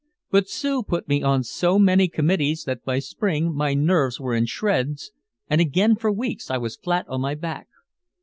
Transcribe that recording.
But Sue put me on so many committees that by Spring my nerves were in shreds, and again for weeks I was flat on my back.